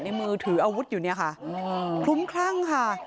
มือถืออาวุธอยู่เนี่ยค่ะคลุ้มคลั่งค่ะ